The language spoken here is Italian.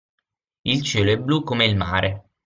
Il cielo è blu come il mare.